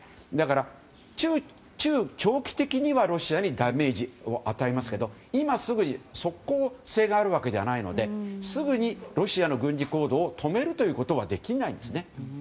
だから、中長期的にはロシアにダメージを与えますが今すぐに即効性があるわけじゃないのですぐにロシアの軍事行動を止めることはできないんですよね。